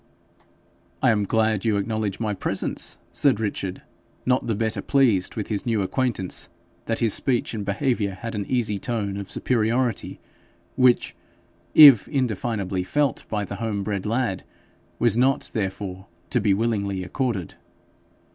'I am glad you acknowledge my presence,' said Richard, not the better pleased with his new acquaintance that his speech and behaviour had an easy tone of superiority, which, if indefinably felt by the home bred lad, was not therefore to be willingly accorded.